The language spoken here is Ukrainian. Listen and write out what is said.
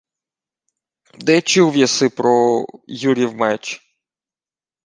— Де чув єси про... Юрів меч?